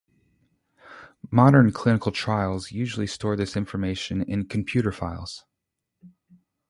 Modern clinical trials usually store this information in computer files.